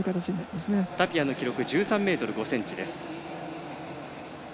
タピアの記録１３ｍ５ｃｍです。